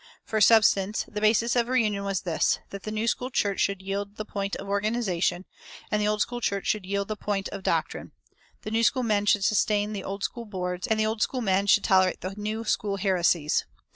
For substance, the basis of reunion was this: that the New School church should yield the point of organization, and the Old School church should yield the point of doctrine; the New School men should sustain the Old School boards, and the Old School men should tolerate the New School heresies.